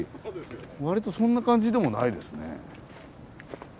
わりとそんな感じでもないですね。